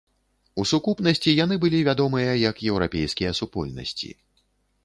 У сукупнасці яны былі вядомыя як еўрапейскія супольнасці.